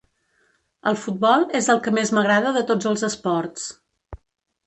El futbol és el que més m'agrada de tots els esports.